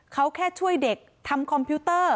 เขาแค่ช่วยเด็กทำคอมพิวเตอร์